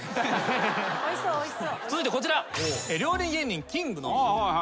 続いてこちら。